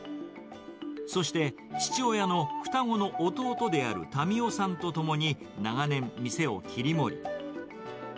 そして、父親の双子の弟である民夫さんと共に、長年、店を切り盛り。